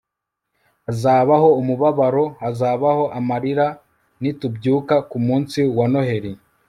hazabaho umubabaro hazabaho amarira nitubyuka kumunsi wa noheri